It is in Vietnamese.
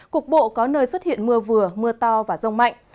cục bộ có nơi xuất hiện mưa vừa mưa to và rông mạnh